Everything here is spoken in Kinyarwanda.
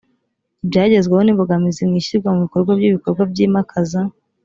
ibyagezweho n imbogamizi mu ishyirwa mu bikorwa ry ibikorwa byimakaza